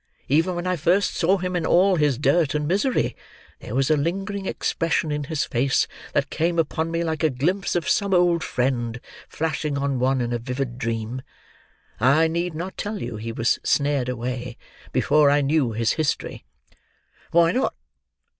Even when I first saw him in all his dirt and misery, there was a lingering expression in his face that came upon me like a glimpse of some old friend flashing on one in a vivid dream. I need not tell you he was snared away before I knew his history—" "Why not?"